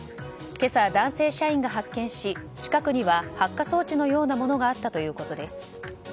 今朝、男性社員が発見し近くには発火装置のようなものがあったということです。